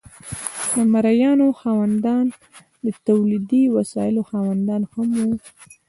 د مرئیانو خاوندان د تولیدي وسایلو خاوندان هم وو.